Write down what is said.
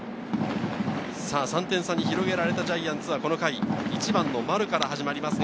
３点差に広げられたジャイアンツは、この回、１番の丸から始まります。